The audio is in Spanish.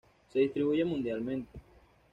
Se distribuye mundialmente.